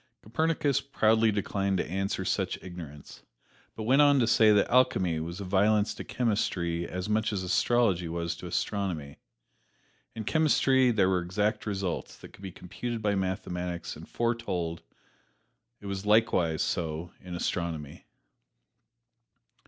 Copernicus proudly declined to answer such ignorance, but went on to say that alchemy was a violence to chemistry as much as astrology was to astronomy. In chemistry there were exact results that could be computed by mathematics and foretold; it was likewise so in astronomy.